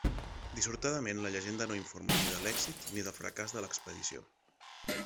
Dissortadament, la llegenda no informa ni de l’èxit ni del fracàs de l’expedició.